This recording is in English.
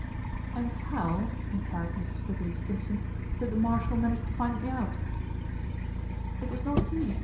"And how," inquired Mrs. Wibberley Stimpson, "did the Marshal manage to find me out?" "It was not he.